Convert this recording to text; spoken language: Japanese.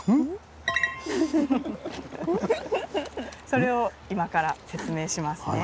それを今から説明しますね。